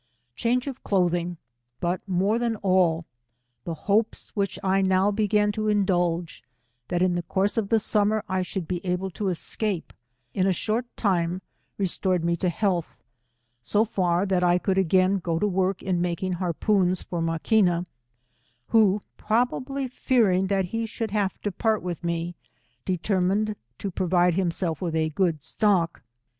Change of clothing, but more than all, the hopes which I now began to indulge, that in the course of 16U the summer I should be able to escape, in a short time restored me to health, so far, that I could again go to work in making harpoons for Maquina, who probably, fearing that he should have to part with me, determined to provide himself with a good stock.